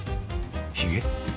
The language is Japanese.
ひげ？